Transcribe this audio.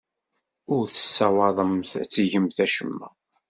Ur tessawaḍemt ad tgemt acemma.